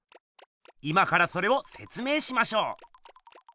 今からそれをせつ明しましょう。